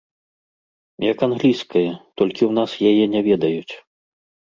Як англійская, толькі ў нас яе не ведаюць.